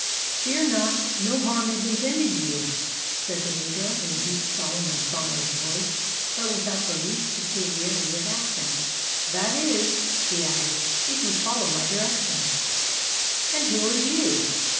"Fear not—no harm is intended you," said the negro, in a deep, solemn, and sonorous voice, but without the least peculiarity of accent; "that is," he added, "if you follow my directions." "And who are you?"